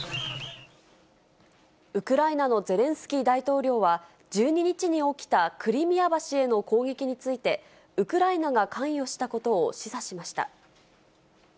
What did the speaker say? ウクライナのゼレンスキー大統領は、１２日に起きたクリミア橋への攻撃について、ウクライナが関与したことを示唆しました。